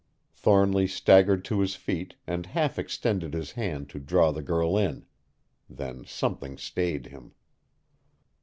Thornly staggered to his feet and half extended his hand to draw the girl in; then something stayed him.